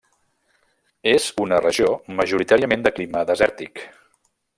És una regió majoritàriament de clima desèrtic.